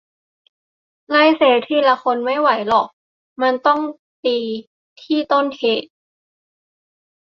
"ไล่เซฟทีละคนไม่ไหวหรอก มันต้องตีที่ต้นเหตุ"